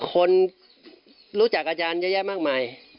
คนรู้จักอาจารย์เยอะแยะมากมาย